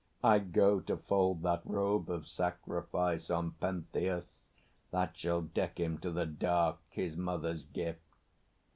I go to fold that robe of sacrifice On Pentheus, that shall deck him to the dark, His mother's gift!